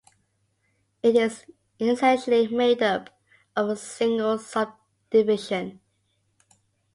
It is essentially made up of a single subdivision.